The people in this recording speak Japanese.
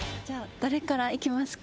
「誰からいきますか」？